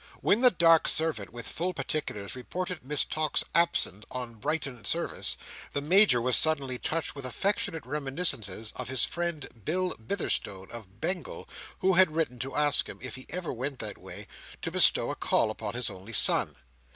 When the dark servant, with full particulars, reported Miss Tox absent on Brighton service, the Major was suddenly touched with affectionate reminiscences of his friend Bill Bitherstone of Bengal, who had written to ask him, if he ever went that way, to bestow a call upon his only son.